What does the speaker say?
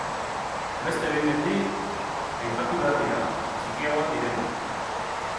Beste bi mendi aipatu behar dira, txikiagoak direnak.